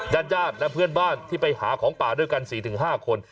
ญาติญาติและเพื่อนบ้านที่ไปหาของป่าด้วยกัน๔๕คน